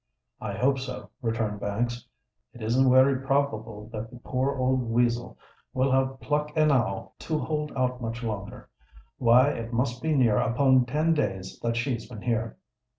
"I hope so," returned Banks. "It isn't wery probable that the poor old weasel will have pluck enow to hold out much longer. Why—it must be near upon ten days that she's been here."